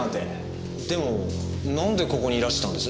でもなんでここにいらしたんです？